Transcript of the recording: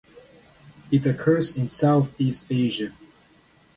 It occurs in Southeast Asia.